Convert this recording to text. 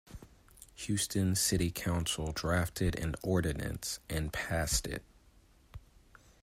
Houston City Council drafted an ordinance and passed it.